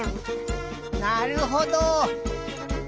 なるほど。